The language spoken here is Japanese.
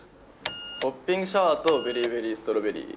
ポッピングシャワーとベリーベリーストロベリー。